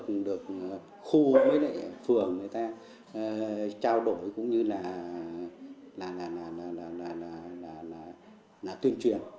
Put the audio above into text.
cũng được khu với phường người ta trao đổi cũng như là tuyên truyền